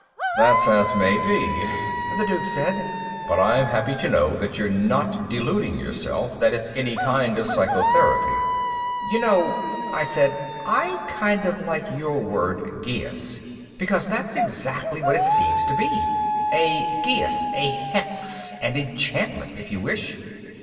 "That's as may be," the Duke said, "but I'm happy to know that you're not deluding yourself that it's any kind of psychotherapy." "You know," I said, "I kind of like your word geas. Because that's exactly what it seems to be a geas. A hex, an enchantment, if you wish.